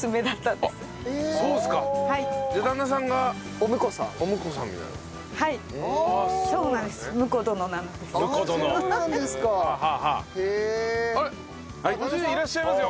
ご主人いらっしゃいますよ。